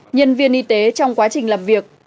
nhân viên y tế trong quá trình làm việc